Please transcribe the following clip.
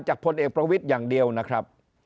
พลเอกประวิทย์อย่างเดียวนะครับ